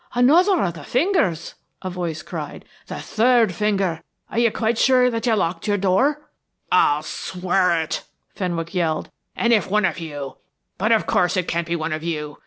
"Another of the fingers," a voice cried. "The third finger. Are you quite sure that you locked your door?" "I'll swear it," Fenwick yelled. "And if one of you but, of course, it can't be one of you.